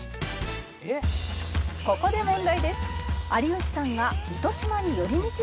「ここで問題です」